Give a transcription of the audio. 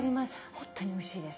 ほんとにおいしいです。